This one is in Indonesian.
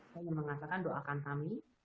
saya mengatakan doakan kami